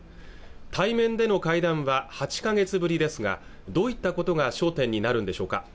対面での会談は８か月ぶりですがどういったことが焦点になるんでしょうか